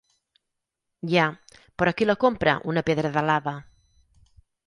Ja, però qui la compra, una pedra de lava?